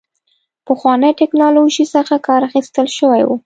پخوانۍ ټکنالوژۍ څخه کار اخیستل شوی و.